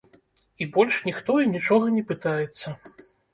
І больш ніхто і нічога не пытаецца.